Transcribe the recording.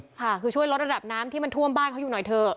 ค่ะคือช่วยลดระดับน้ำที่มันท่วมบ้านเขาอยู่หน่อยเถอะ